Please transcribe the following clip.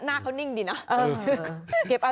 หน้าเขานิ่งดีนะ